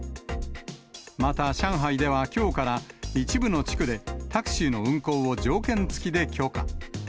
また上海では、きょうから一部の地区でタクシーの運行を条件付きで許可。